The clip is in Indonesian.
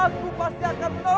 aku pasti akan menolongmu